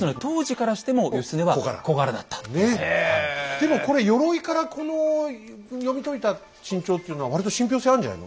でもこれ鎧からこの読み解いた身長っていうのは割と信憑性あるんじゃないの？